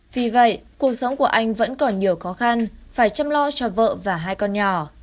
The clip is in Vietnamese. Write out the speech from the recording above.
vì vậy cuộc sống của anh vẫn còn nhiều khó khăn phải chăm lo cho vợ và hai con nhỏ